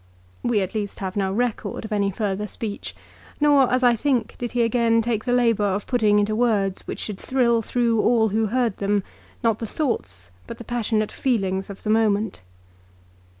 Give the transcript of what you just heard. We at least have no record of any further speech ; nor as I think did he again take the labour of putting into words which should thrill through all who heard them, not the thoughts but the passionate feelings of the moment.